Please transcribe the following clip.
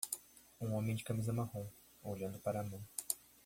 Um homem de camisa marrom, olhando para a mão.